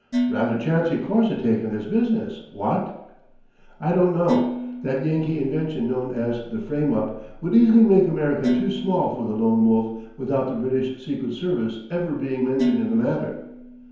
"Rather chancy course to take in this business, what?" "I don't know.... That Yankee invention known as the 'frame up' would easily make America too small for the Lone Wolf without the British Secret Service ever being mentioned in the matter."